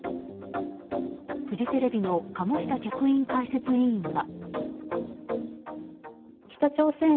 フジテレビの鴨下客員解説委員は。